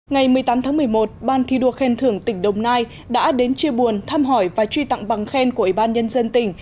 ngày một mươi tám tháng một mươi một ban thi đua khen thưởng tỉnh đồng nai đã đến chia buồn thăm hỏi và truy tặng bằng khen của ủy ban nhân dân tỉnh